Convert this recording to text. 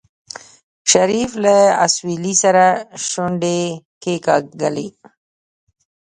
شريف له اسويلي سره شونډې کېکاږلې.